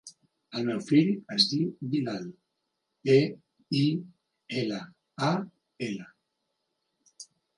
El meu fill es diu Bilal: be, i, ela, a, ela.